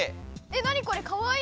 何これかわいい！